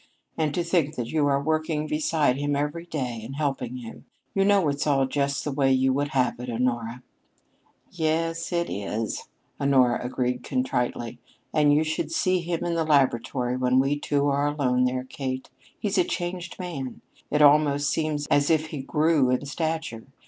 And to think that you are working beside him every day, and helping him you know it's all just the way you would have it, Honora." "Yes, it is," agreed Honora contritely, "and you should see him in the laboratory when we two are alone there, Kate! He's a changed man. It almost seems as if he grew in stature.